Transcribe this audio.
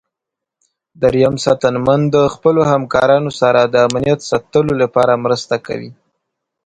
دریم ساتنمن د خپلو همکارانو سره د امنیت ساتلو لپاره مرسته کوي.